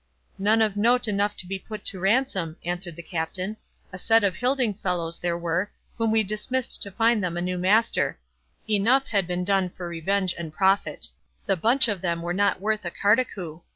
"None of note enough to be put to ransom," answered the Captain; "a set of hilding fellows there were, whom we dismissed to find them a new master—enough had been done for revenge and profit; the bunch of them were not worth a cardecu.